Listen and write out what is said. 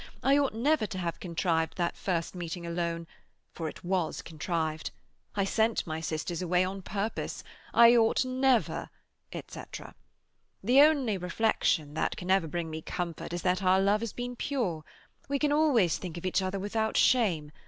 I ought never to have contrived that first meeting alone—for it was contrived; I sent my sisters away on purpose. I ought never"—etc. "The only reflection that can ever bring me comfort is that our love has been pure. We can always think of each other without shame.